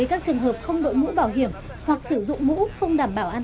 an toàn hơn khi có sự đồng hành